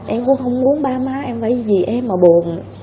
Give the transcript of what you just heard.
em cũng không muốn ba má em phải vì em mà buồn